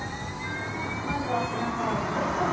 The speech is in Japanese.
まずは背中を丸く。